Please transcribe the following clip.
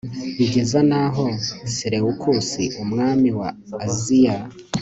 bigeza n'aho selewukusi, umwami wa aziya